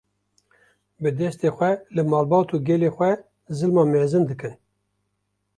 bi destê xwe li malbat û gelê xwe zilma mezin dikin